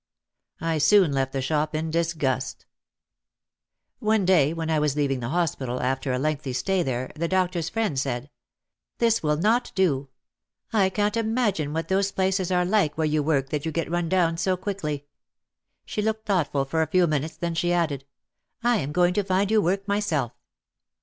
I soon left the shop in disgust. One day when I was leaving the hospital, after a lengthy stay there, the doctor's friend said, "This will not do. I can't imagine what those places are like where you work that you get run down so quickly." She looked thoughtful for a few minutes, then she added, "I am going to find you work myself."